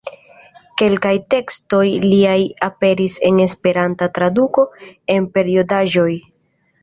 Kelkaj tekstoj liaj aperis en Esperanta traduko en periodaĵoj.